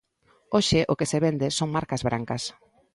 Hoxe o que se vende son marcas brancas.